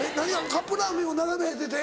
カップラーメンを並べてて？